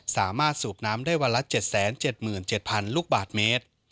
สามารถสูบน้ำได้วันละ๗๗๐๐ลูกบาทเมตร